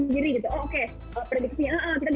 jadi kita memang sudah bisa menyiapkan sendiri gitu